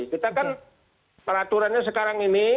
kita kan peraturannya sekarang ini